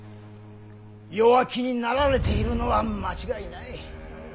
弱気になられているのは間違いない。